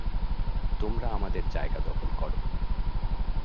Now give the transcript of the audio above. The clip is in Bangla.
তোমরা আমাদের জায়গা দখল কর!